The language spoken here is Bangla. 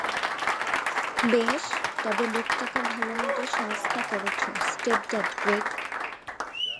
বেশ, তবে লোকটাকে ভালোমতো শায়েস্তা করেছো, স্টেপড্যাড গ্রেগ।